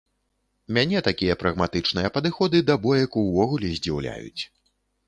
Мяне такія прагматычныя падыходы да боек увогуле здзіўляюць.